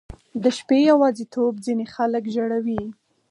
• د شپې یواځیتوب ځینې خلک ژړوي.